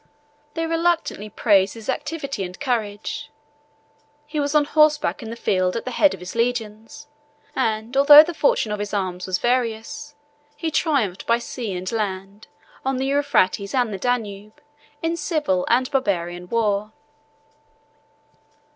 They reluctantly praise his activity and courage; he was on horseback in the field at the head of his legions; and, although the fortune of his arms was various, he triumphed by sea and land, on the Euphrates and the Danube, in civil and Barbarian war.